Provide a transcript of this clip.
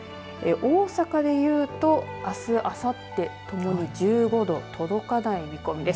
大阪でいうとあす、あさってともに１５度、届かない見込みです。